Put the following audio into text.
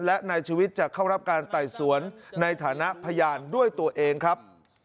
และนายชีวิตจะเข้ารับการไต่สวนในฐานะพยานด้วยตัวเองครับ